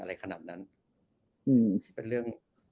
เล่นยาวนานอะไรขนาดนั้น